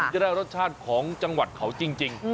จะได้รสชาติของจังหวัดเขาจริง